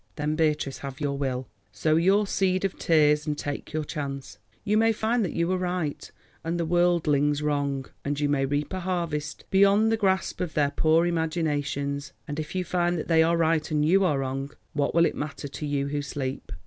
Then, Beatrice, have your will, sow your seed of tears, and take your chance. You may find that you were right and the worldlings wrong, and you may reap a harvest beyond the grasp of their poor imaginations. And if you find that they are right and you are wrong, what will it matter to you who sleep?